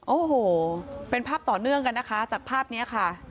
โอ้โหเป็นภาพต่อเนื่องกันนะคะจากภาพนี้ค่ะ